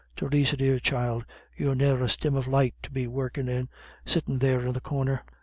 Theresa, child dear, you've ne'er a stim of light to be workin' in, sittin' there in the corner."